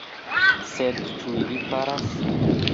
Sed ĉu ili faras?